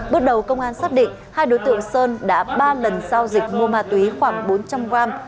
bước đầu công an xác định hai đối tượng sơn đã ba lần giao dịch mua ma túy khoảng bốn trăm linh gram